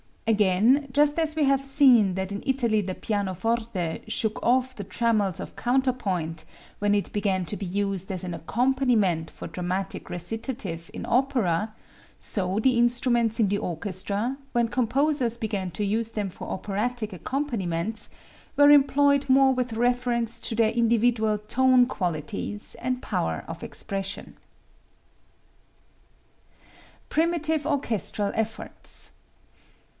Again, just as we have seen that in Italy the pianoforte shook off the trammels of counterpoint when it began to be used as an accompaniment for dramatic recitative in opera, so the instruments in the orchestra, when composers began to use them for operatic accompaniments, were employed more with reference to their individual tone qualities and power of expression. Primitive Orchestral Efforts.